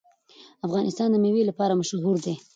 افغانستان د مېوې لپاره مشهور دی.